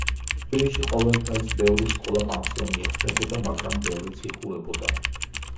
თბილისში ყოველ წელს ბევრი სკოლა-პანსიონი იხსნებოდა, მაგრამ ბევრიც იხურებოდა.